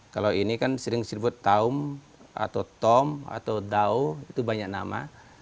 kalau ini kan sering disebut taum atau tom atau dao itu banyak nama